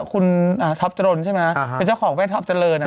คุณท็อปจรนใช่ไหมเป็นเจ้าของแม่ท็อปเจริญ